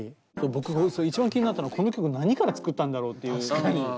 僕が一番気になったのはこの曲何から作ったんだろうっていう。